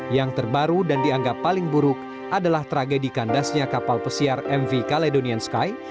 yang terbaru dan dianggap paling buruk adalah tragedi kandasnya kapal pesiar mv caledonian sky